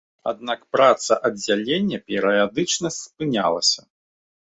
Аднак праца аддзялення перыядычна спынялася.